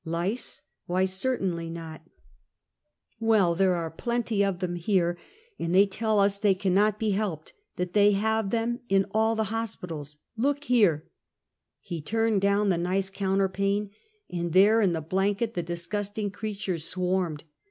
"Lice? Why, certainly not." 292 Half a Centuey. " "Well, there are plenty of them here, and they tell us they cannot be helped — that they have them in all the hospitals. Look here!" He turned down the nice counterpane, and there, in the blanket, the disgusting creatures swarmed.